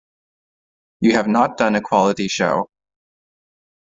You have not done a quality show.